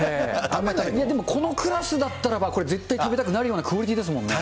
あんまり食でもこのクラスだったらば、これ、絶対食べたくなるクオリティーですもんね。